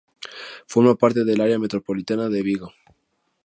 Forma parte del Área Metropolitana de Vigo.